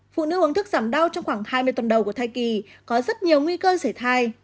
phụ nữ uống thức giảm đau trong khoảng hai mươi tuần đầu của thai kỳ có rất nhiều nguy cơ xảy thai